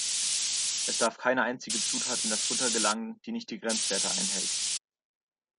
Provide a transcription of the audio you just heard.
Es darf keine einzige Zutat in das Futter gelangen, die nicht die Grenzwerte einhält.